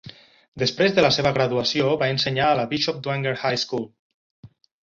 Després de la seva graduació, va ensenyar a la Bishop Dwenger High School.